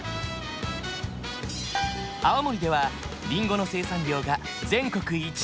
青森ではりんごの生産量が全国１位！